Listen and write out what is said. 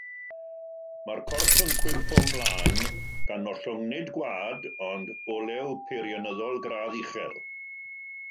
Mae'r corff yn cwympo ymlaen gan ollwng nid gwaed ond olew peirianyddol gradd uchel.